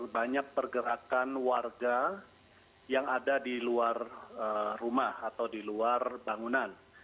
banyak pergerakan warga yang ada di luar rumah atau di luar bangunan